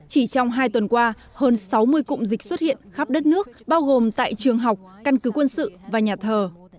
hôm qua hơn sáu mươi cụm dịch xuất hiện khắp đất nước bao gồm tại trường học căn cứ quân sự và nhà thờ